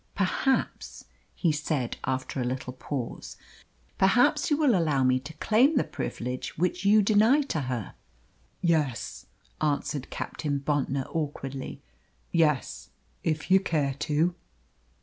"Perhaps," he said after a little pause, "perhaps you will allow me to claim the privilege which you deny to her?" "Yes," answered Captain Bontnor awkwardly; "yes, if you care to."